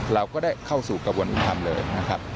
เราก็ได้เข้าสู่กระบวนธรรมเลยนะครับ